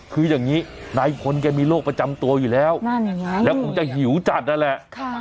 คืออย่างนี้นายพลแกมีโรคประจำตัวอยู่แล้วนั่นยังไงแล้วคงจะหิวจัดนั่นแหละ